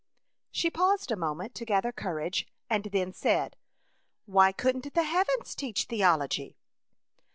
" She paused a moment to gather courage, and then said, "Why couldn't the heavens teach theology